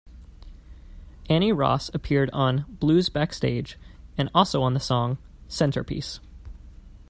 Annie Ross appeared on "Blues Backstage" and also on the song, "Centerpiece".